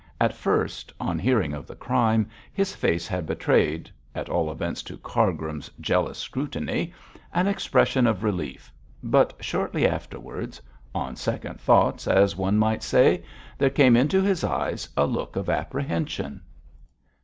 At first, on hearing of the crime, his face had betrayed at all events, to Cargrim's jealous scrutiny an expression of relief, but shortly afterwards on second thoughts, as one might say there came into his eyes a look of apprehension.